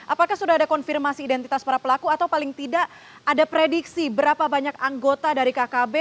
apakah sudah ada konfirmasi identitas para pelaku atau paling tidak ada prediksi berapa banyak anggota dari kkb